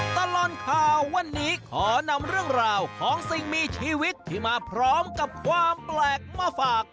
ตลอดข่าววันนี้ขอนำเรื่องราวของสิ่งมีชีวิตที่มาพร้อมกับความแปลกมาฝาก